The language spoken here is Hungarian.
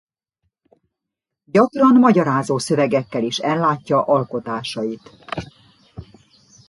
Gyakran magyarázó szövegekkel is ellátja alkotásait.